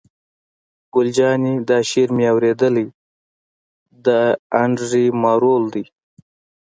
ګل جانې: دا شعر مې اورېدلی، د انډرې مارول دی.